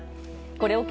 これを受け